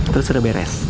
terus udah beres